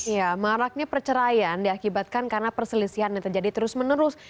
ya maraknya perceraian diakibatkan karena perselisihan yang terjadi terus menerus